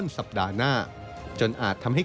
สัปดาห์หน้าจนอาจทำให้